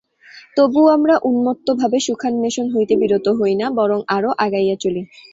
তবুও আমরা উন্মত্তভাবে সুখান্বেষণ হইতে বিরত হই না, বরং আরও আগাইয়া চলি।